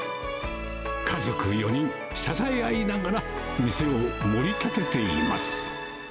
家族４人、支え合いながら、店をもり立てています。